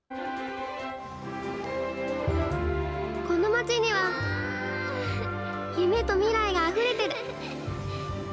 この街には夢と未来があふれている。